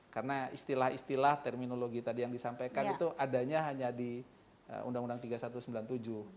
karena istilah istilah terminologi tadi yang disampaikan itu adanya hanya di undang undang no tiga puluh satu tahun seribu sembilan ratus sembilan puluh tujuh